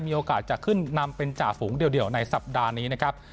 มีโอกาสจะขึ้นนำเป็นจ่าฝูงเดียวในสัปดาห์นี้นะครับ